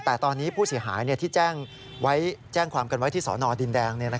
แต่ตอนนี้ผู้เสียหายที่แจ้งความกันไว้ที่สอนอดินแดง